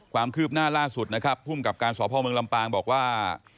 ความคืบหน้าล่าสุดนะครับภูมิกับการสพเมืองลำปางบอกว่า